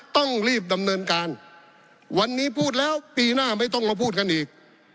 ต้องรีบดำเนินการวันนี้พูดแล้วปีหน้าไม่ต้องมาพูดกันอีก